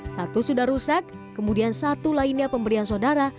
satu sudah rusak kemudian satu lainnya pemberian saudara